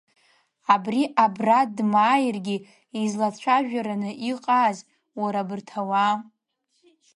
Абри абра дмааиргьы излацәажәараны иҟааз, уара, абарҭ ауаа?!